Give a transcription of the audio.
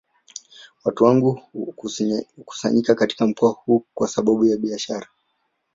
Watu wengi hukusanyika katika mkoa huu kwa sababu ya kibiashara